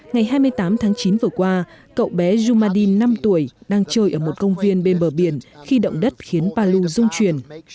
ngày hai mươi tám tháng chín vừa qua cậu bé zumadin năm tuổi đang chơi ở một công viên bên bờ biển khi động đất khiến palu dung truyền